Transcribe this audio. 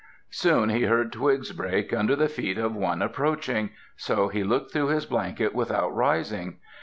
Soon he heard twigs break under the feet of one approaching, so he looked through his blanket without rising.